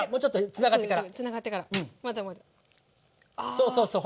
そうそうそう。